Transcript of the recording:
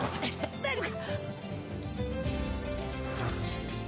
大丈夫か？